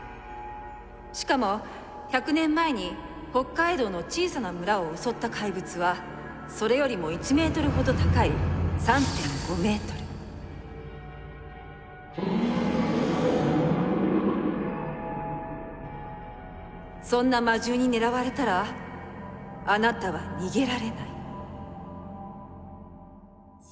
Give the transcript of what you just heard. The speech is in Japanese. しかも１００年前に北海道の小さな村を襲った怪物はそれよりも１ｍほど高いそんな魔獣に狙われたらあなたは逃げられない。